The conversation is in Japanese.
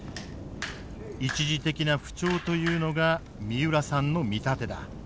一時的な不調というのが三浦さんの見立てだ。